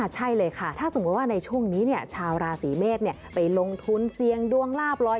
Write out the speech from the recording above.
ใช่เลยค่ะถ้าสมมุติว่าในช่วงนี้ชาวราศีเมษไปลงทุนเสี่ยงดวงลาบ๑๐๐